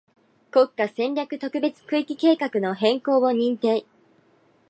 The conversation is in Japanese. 国家戦略特別区域計画の変更を認定